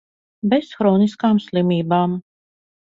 Bez hroniskām slimībām.